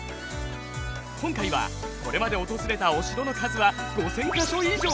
今回はこれまで訪れたお城の数は５，０００か所以上！